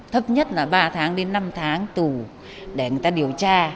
thấp nhất là ba tháng đến năm tháng tù để người ta điều tra